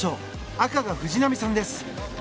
赤が藤波さんです。